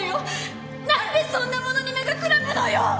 なんでそんなものに目がくらむのよ！